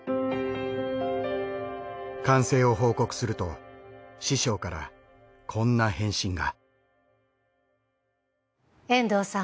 完成を報告すると師匠からこんな返信が。